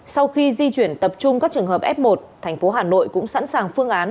sau khi di chuyển tập trung các trường hợp f một thành phố hà nội cũng sẵn sàng phương án